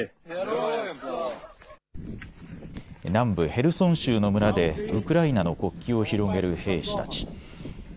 南部ヘルソン州の村でウクライナの国旗を広げる兵士たち。